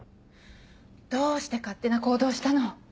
どうして勝手な行動をしたの！